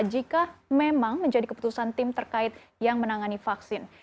jika memang menjadi keputusan tim terkait yang menangani vaksin